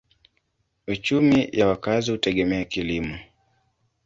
Uchumi ya wakazi hutegemea kilimo.